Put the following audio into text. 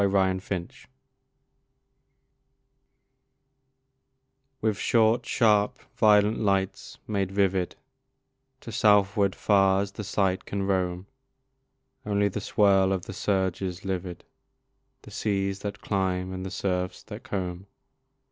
The Swimmer With short, sharp, violent lights made vivid, To southward far as the sight can roam, Only the swirl of the surges livid, The seas that climb and the surfs that comb.